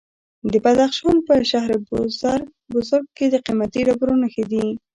د بدخشان په شهر بزرګ کې د قیمتي ډبرو نښې دي.